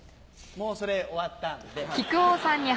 もうそれ終わったんで。